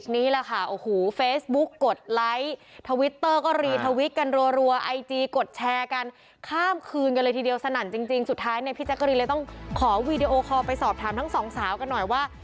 ในพิจารกรีเลยต้องขอวีดีโอคอลไปสอบถามทั้งสองสาวกันหน่อยว่า